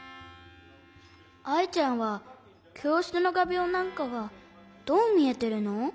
アイちゃんはきょうしつのがびょうなんかはどうみえてるの？